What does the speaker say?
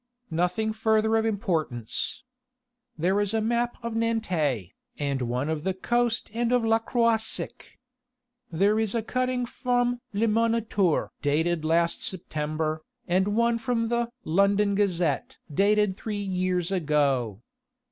"Nothing further of importance. There is a map of Nantes, and one of the coast and of Le Croisic. There is a cutting from Le Moniteur dated last September, and one from the London Gazette dated three years ago.